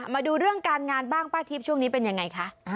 มาดูเรื่องการงานบ้างป้าทิพย์ช่วงนี้เป็นยังไงคะ